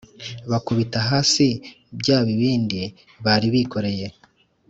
Bakubita hasi bya bibindi bari bikoreye